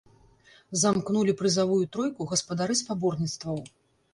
Замкнулі прызавую тройку гаспадары спаборніцтваў.